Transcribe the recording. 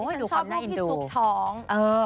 ชอบพวกพี่จุกถอง